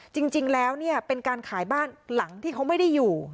จริงแล้วเนี่ยเป็นการขายบ้านหลังที่เขาไม่ได้อยู่